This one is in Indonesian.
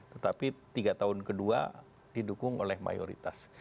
tetapi tiga tahun kedua didukung oleh mayoritas